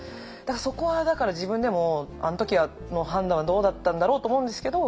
そこはだから自分でもあの時の判断はどうだったんだろうと思うんですけど